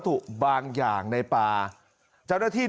มึงอยากให้ผู้ห่างติดคุกหรอ